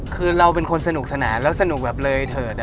คือเราเป็นคนสนุกสนานแล้วสนุกแบบเลยเถิด